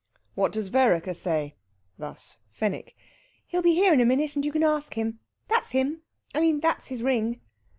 "What does Vereker say?" Thus Fenwick. "He'll be here in a minute, and you can ask him. That's him! I mean that's his ring."